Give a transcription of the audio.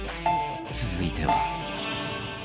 続いては